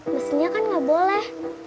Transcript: maksudnya kan nggak boleh